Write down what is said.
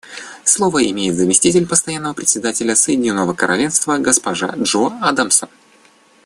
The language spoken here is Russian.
Слово имеет заместитель Постоянного представителя Соединенного Королевства госпожа Джо Адамсон.